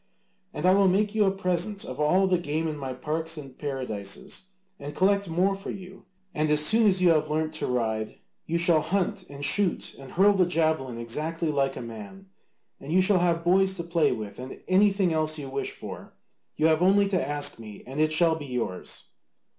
And I will make you a present of all the game in my parks and paradises, and collect more for you, and as soon as you have learnt to ride you shall hunt and shoot and hurl the javelin exactly like a man. And you shall have boys to play with and anything else you wish for: you have only to ask me and it shall be yours."